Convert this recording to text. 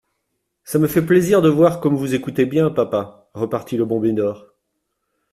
Ça me fait plaisir de voir comme vous écoutez bien, papa, repartit le bon Médor.